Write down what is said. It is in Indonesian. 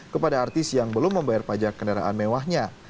kepada artis yang belum membayar pajak kendaraan mewahnya